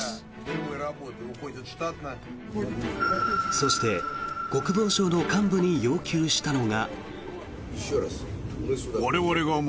そして、国防省の幹部に要求したのが。